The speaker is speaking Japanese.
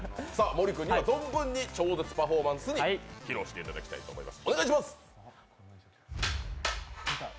森君には存分に超絶パフォーマンス披露していただきたいと思います。